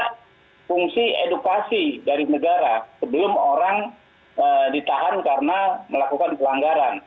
ada fungsi edukasi dari negara sebelum orang ditahan karena melakukan pelanggaran